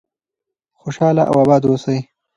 خوشحاله او آباد اوسئ.